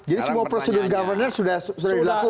jadi semua prosedur governancenya sudah dilakukan